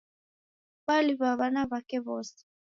Woliw'a w'ana w'ake w'ose.